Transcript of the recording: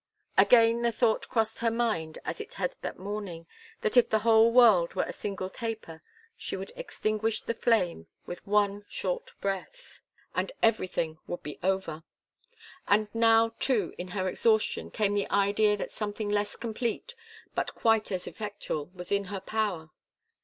Again the thought crossed her mind, as it had that morning, that if the whole world were a single taper, she would extinguish the flame with one short breath, and everything would be over. And now, too, in her exhaustion, came the idea that something less complete, but quite as effectual, was in her power.